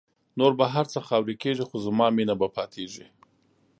نور به هر څه خاوری کېږی خو زما مینه به پاتېږی